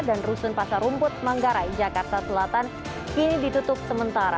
dan rusun pasar rumput manggarai jakarta selatan kini ditutup sementara